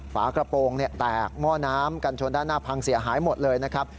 ฝากระโปรงแตกหม้อน้ำกันชนด้านหน้าพังเสียหายหมดเลยนะครับ